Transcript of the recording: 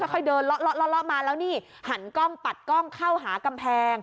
ค่อยเดินเลาะมาแล้วนี่หันกล้องปัดกล้องเข้าหากำแพง